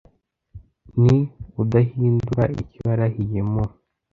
ni udahindura icyo yarahiriye mu